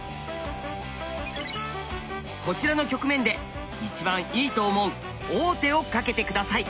こちらの局面で一番いいと思う王手をかけて下さい。